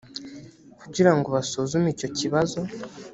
kugira ngo basuzume icyo kibazo